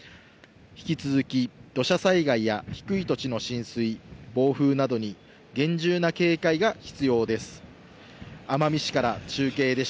引き続き土砂災害や低い土地の浸水、暴風などに厳重な警戒が必要です。